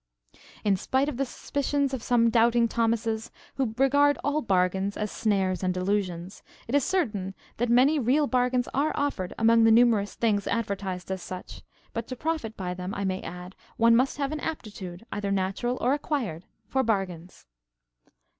In spite of the suspicions of some doubting Thomases who regard all bargains as snares and delusions, it is certain that many real bargains are offered among the numerous things advertised as such; but to profit by them, I may add, one must have an aptitude, either natural or acquired, for bargains.